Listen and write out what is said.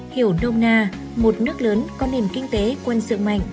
hiểu nông na một nước lớn có nền kinh tế quân sự mạnh